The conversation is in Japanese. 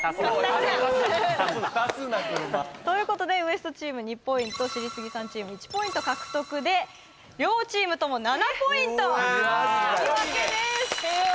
・足すな足すなということでＷＥＳＴチーム２ポイント知りスギさんチーム１ポイント獲得で両チームとも７ポイント引き分けです平和！